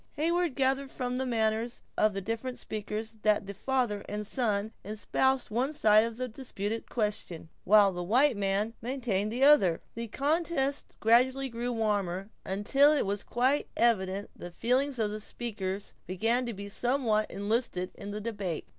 Heyward gathered from the manners of the different speakers, that the father and son espoused one side of a disputed question, while the white man maintained the other. The contest gradually grew warmer, until it was quite evident the feelings of the speakers began to be somewhat enlisted in the debate.